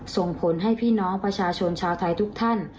ส่งผลให้พี่น้องประชาชนชาวไทยทุกท่าน